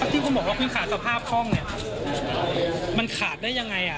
ที่คุณบอกว่าคุณขาดสภาพคล่องเนี่ยมันขาดได้ยังไง